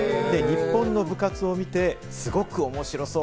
日本の部活を見て、すごく面白そう！